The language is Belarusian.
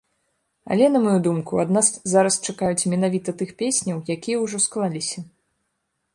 Але, на маю думку, ад нас зараз чакаюць менавіта тых песняў, якія ўжо склаліся.